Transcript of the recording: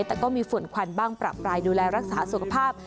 แต่ก็มีฝุ่นควันบ้างปรับปลายดูแลรักษาสุขภาพ